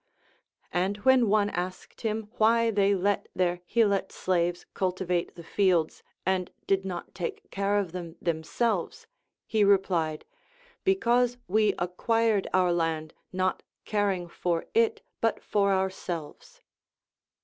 And when one asked him why they let their Helot slaves cultivate the fields, and did not take care of them themselves, he replied, Because we acquired our land not caring for it but for ourselves.